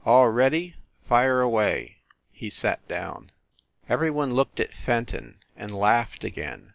All ready fire away !" He sat down. Every one looked at Fenton, and laughed again.